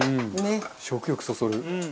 食欲そそる。